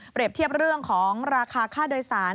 เทียบเรื่องของราคาค่าโดยสาร